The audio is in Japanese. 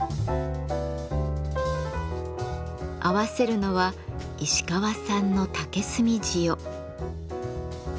合わせるのは石川産の竹炭塩。